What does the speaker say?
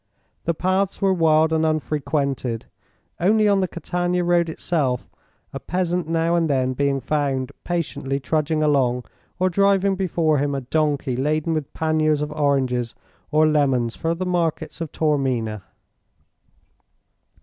The paths were wild and unfrequented, only on the Catania road itself a peasant now and then being found patiently trudging along or driving before him a donkey laden with panniers of oranges or lemons for the markets of Taormina.